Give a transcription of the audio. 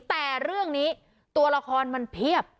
แต่เรื่องนี้ตัวละครมันเพียบ